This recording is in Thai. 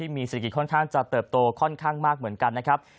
มีเศรษฐกิจค่อนข้างจะเติบโตค่อนข้างมากเหมือนกันนะครับ